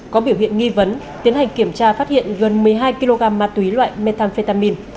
có biểu hiện nghi vấn tiến hành kiểm tra phát hiện gần một mươi hai kg ma túy loại methamphetamin